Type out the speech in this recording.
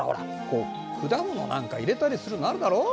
こう果物なんか入れたりするのあるだろう？